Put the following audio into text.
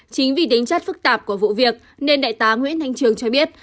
chính vì tính chất phức tạp của vụ việc nên đại tá nguyễn thanh trường cho biết